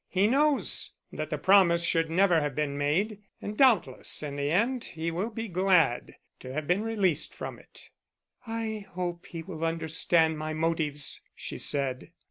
He knows that the promise should never have been made, and doubtless in the end he will be glad to have been released from it." "I hope he will understand my motives," she said.